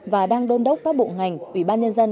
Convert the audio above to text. và đang đôn đốc các bộ ngành ủy ban nhân dân